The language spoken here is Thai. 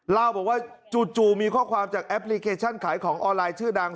เล่าบอกว่าจู่มีข้อความจากแอปพลิเคชันขายของออนไลน์ชื่อดัง